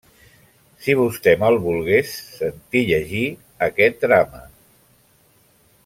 «Si vostè me'l volgués sentir llegir aquest drama…»